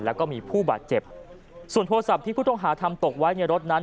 แล้วก็มีผู้บาดเจ็บส่วนโทรศัพท์ที่ผู้ต้องหาทำตกไว้ในรถนั้น